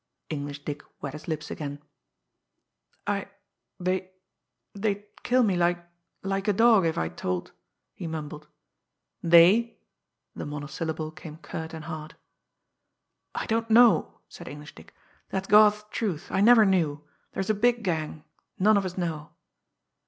English Dick wet his lips again. "I they they'd kill me like like a dog if I told," he mumbled. "They?" The monosyllable came curt and hard. "I don't know," said English Dick. "That's God's truth I never knew there's a big gang none of us know.".